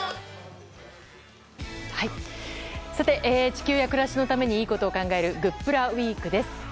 地球や暮らしのためにいいことを考えるグップラウィークです。